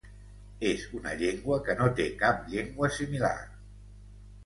És una llengua que no té cap llengua similar.